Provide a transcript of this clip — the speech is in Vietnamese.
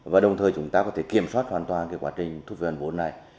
và đồng thời chúng ta có thể kiểm soát hoàn toàn cái quá trình thu phí hoàn vốn này